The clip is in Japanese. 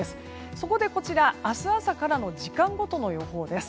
そこで、こちらは明日朝からの時間ごとの予報です。